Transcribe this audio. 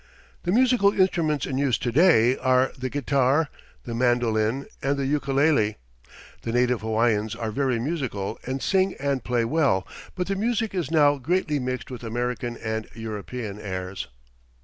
The musical instruments in use to day are the guitar, the mandolin, and the ukulele. The native Hawaiians are very musical and sing and play well, but the music is now greatly mixed with American and European airs.